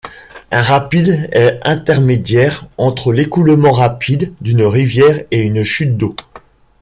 Un rapide est intermédiaire entre l'écoulement rapide d'une rivière et une chute d'eau.